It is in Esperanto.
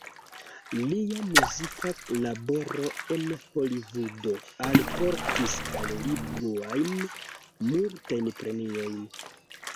Lia muzika laboro en Holivudo alportis al li pluajn multajn premiojn.